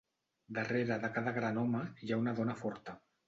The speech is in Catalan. Darrere de cada gran home hi ha una dona forta.